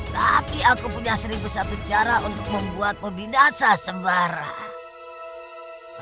tapi aku punya seribu satu cara untuk membuat pembinasa sembarangan